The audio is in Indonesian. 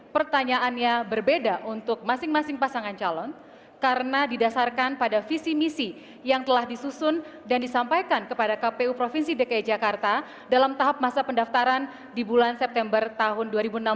pertanyaannya berbeda untuk masing masing pasangan calon karena didasarkan pada visi misi yang telah disusun dan disampaikan kepada kpu provinsi dki jakarta dalam tahap masa pendaftaran di bulan september tahun dua ribu enam belas